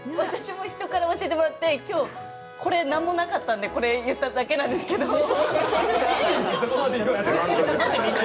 私も人から教えてもらってなんもなかったんでこれ、言っただけなんですけど。